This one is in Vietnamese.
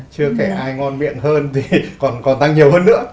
chưa kể ai ngon miệng hơn thì còn tăng nhiều hơn nữa